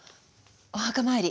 お墓参り。